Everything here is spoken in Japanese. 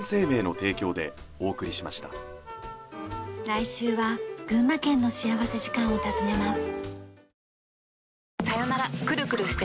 来週は群馬県の幸福時間を訪ねます。